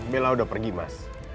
bella udah pergi mas